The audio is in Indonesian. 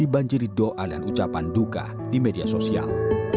dibanjiri doa dan ucapan duka di media sosial